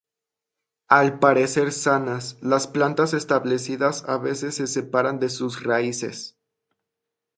Al parecer sanas, las plantas establecidas a veces se separan de sus raíces.